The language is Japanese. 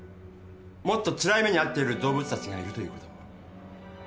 「もっと辛い目に遭っている動物たちがいる」ということを。